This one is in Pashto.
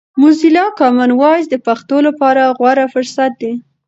موزیلا کامن وایس د پښتو لپاره غوره فرصت دی.